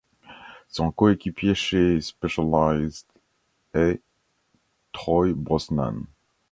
Son coéquipier chez Specialized est Troy Brosnan.